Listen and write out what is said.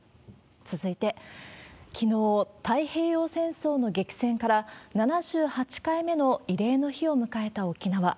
続いて、きのう、太平洋戦争の激戦から７８回目の慰霊の日を迎えた沖縄。